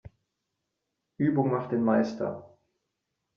Übung macht den Meister.